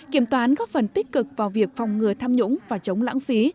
kiểm toán góp phần tích cực vào việc phòng ngừa tham nhũng và chống lãng phí